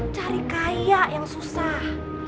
cari kaya yang susah